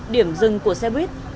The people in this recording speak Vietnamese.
điểm dừng của xe buýt